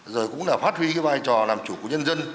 rồi cũng là phát huy cái vai trò làm chủ của nhân dân